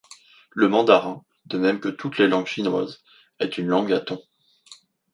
Le mandarin, de même que toutes les langues chinoises, est une langue à tons.